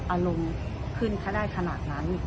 อารมณ์ขึ้นขนาดนั้น